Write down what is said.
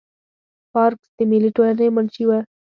پارکس د ملي ټولنې منشي وه.